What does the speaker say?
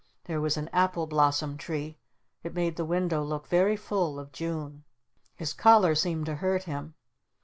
There was an apple blossom tree. It made the window look very full of June. His collar seemed to hurt him.